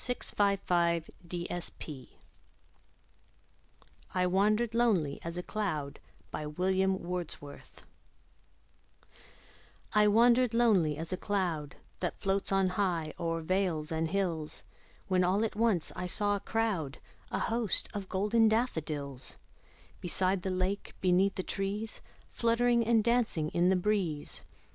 William Wordsworth I Wandered Lonely As a Cloud I WANDERED lonely as a cloud That floats on high o'er vales and hills, When all at once I saw a crowd, A host, of golden daffodils; Beside the lake, beneath the trees, Fluttering and dancing in the breeze.